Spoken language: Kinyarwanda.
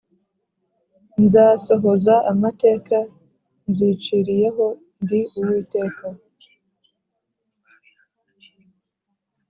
nzasohoza amateka nziciriye ho Ndi Uwiteka